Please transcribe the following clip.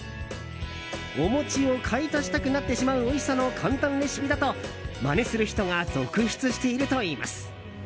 お餅を買い足したくなってしまうおいしさの簡単レシピだとまねする人が続出しているといいます。